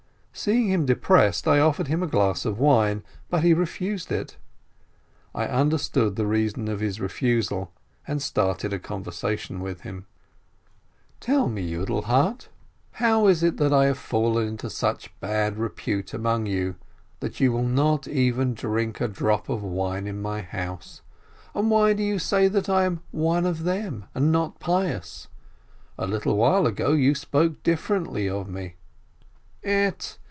Seeing him depressed, I offered him a glass of wine, but he refused it. I understood the reason of his refusal, and started a conversation with him. EARTH OF PALESTINE 45 "Tell me, Yiidel heart, how is it I have fallen into such bad repute among you that you will not even drink a drop of wine in my house? And why do you say that I am 'one of them,' and not pious? A little while ago you spoke differently of me." "Ett!